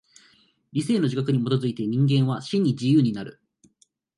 理性の自覚に基づいて人間は真に自由になる。